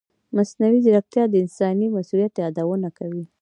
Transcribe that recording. مصنوعي ځیرکتیا د انساني مسؤلیت یادونه کوي.